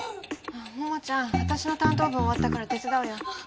桃ちゃん私の担当分終わったから手伝うよ。